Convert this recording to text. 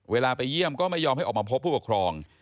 ไปเยี่ยมก็ไม่ยอมให้ออกมาพบผู้ปกครอง